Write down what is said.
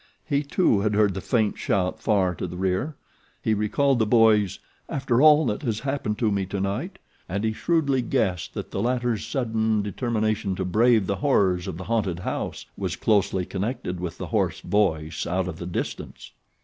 He, too, had heard the faint shout far to the rear. He recalled the boy's "after all that has happened to me tonight," and he shrewdly guessed that the latter's sudden determination to brave the horrors of the haunted house was closely connected with the hoarse voice out of the distance.